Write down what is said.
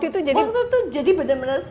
itu jadi benar benar